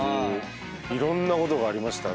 いろんなことがありましたね